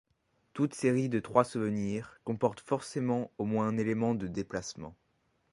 Toute série de trois souvenirs comporte forcément au moins un élément de déplacement.